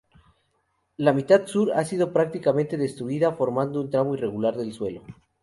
La mitad sur ha sido prácticamente destruida, formando un tramo irregular del suelo.